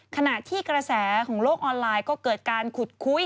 ขณะที่กระแสของโลกออนไลน์ก็เกิดการขุดคุย